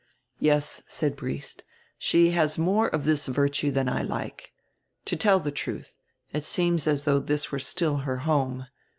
"Yes," said Briest, "she has more of this virtue than I like. To tell the truth, it seems as though this were still her home.